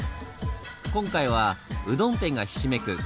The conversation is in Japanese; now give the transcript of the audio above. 今回はうどん店がひしめく